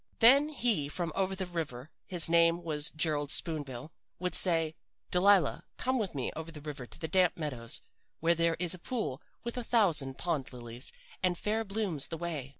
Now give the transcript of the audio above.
"Then he from over the river his name was Gerald Spoon bill would say: 'Delilah, come with me over the river to the damp meadows, where there is a pool with a thousand pond lilies, and fair blooms the way.